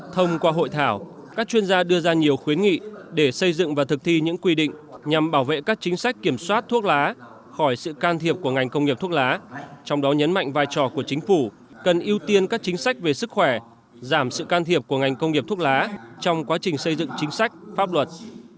thông qua hội thảo các chuyên gia đưa ra nhiều khuyến nghị để xây dựng và thực thi những quy định nhằm bảo vệ các chính sách kiểm soát thuốc lá khỏi sự can thiệp của ngành công nghiệp thuốc lá trong đó nhấn mạnh vai trò của chính phủ cần ưu tiên các chính sách về sức khỏe giảm sự can thiệp của ngành công nghiệp thuốc lá trong quá trình xây dựng chính sách pháp luật